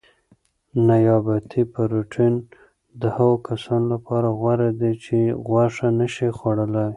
نباتي پروټین د هغو کسانو لپاره غوره دی چې غوښه نه شي خوړلای.